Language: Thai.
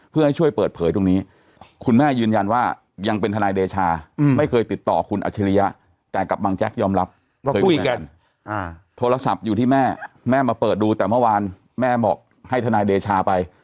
เราเปิดดูแต่เมื่อวานแม่บอกให้ทนายเดชาไป